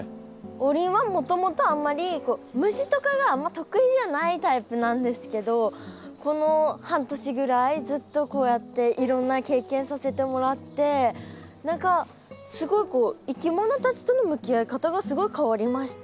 王林はもともとあんまり虫とかが得意じゃないタイプなんですけどこの半年ぐらいずっとこうやっていろんな経験させてもらって何かすごいこういきものたちとの向き合い方がすごい変わりました。